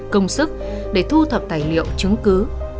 công sức để thu thập tài liệu chứng cứ